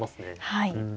はい。